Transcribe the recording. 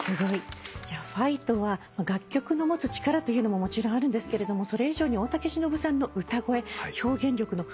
『ファイト！』は楽曲の持つ力というのももちろんあるんですけれどもそれ以上に大竹しのぶさんの歌声表現力の深さ